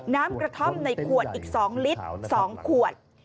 น้ำกระท่อมในขวดอีก๒ลิตร๒ขวด